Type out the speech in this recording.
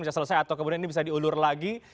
bisa selesai atau kemudian ini bisa diulur lagi